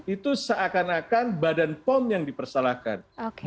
itu seakan akan badan pom yang dipersalahkan